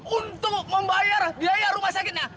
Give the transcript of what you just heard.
untuk membayar biaya rumah sakitnya